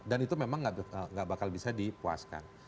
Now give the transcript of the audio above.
dan itu memang gak bakal bisa dipuaskan